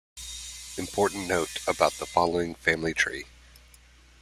Important note about the following family tree.